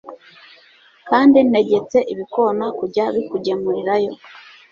kandi ntegetse ibikona kujya bikugemurirayo